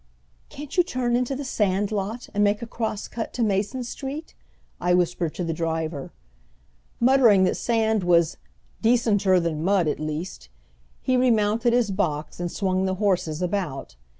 "Can't you turn into the sand lot, and make a cross cut to Mason Street?" I whispered to the driver. Muttering that sand was "decenter than mud at least," he remounted his box and swung the horses about.